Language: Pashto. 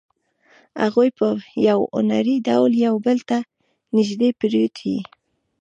هغوی په یو هنري ډول یو بل ته نږدې پرېوتې